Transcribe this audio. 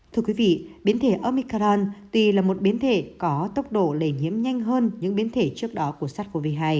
thưa quý vị biến thể omican tuy là một biến thể có tốc độ lây nhiễm nhanh hơn những biến thể trước đó của sars cov hai